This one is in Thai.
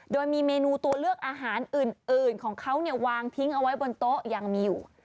โดยมีเมนูตัวเลือกอาหารอื่นของเขาวางทิ้งเอาไว้บนโต๊ะยังมีอยู่